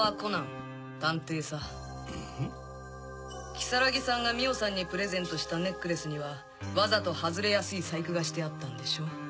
如月さんが美緒さんにプレゼントしたネックレスにはわざと外れやすい細工がしてあったんでしょ？